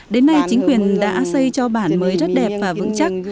đến nay chính quyền đã xây cho bản mới rất đẹp và vững chắc